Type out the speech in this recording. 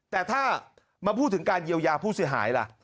แต่ถ้ามาพูดถึงการเยียวยาผู้เสียหายล่ะ